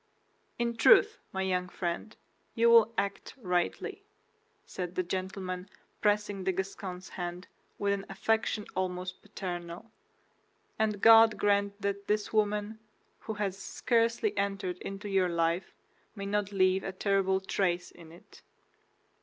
"In truth, my young friend, you will act rightly," said the gentleman, pressing the Gascon's hand with an affection almost paternal; "and God grant that this woman, who has scarcely entered into your life, may not leave a terrible trace in it!"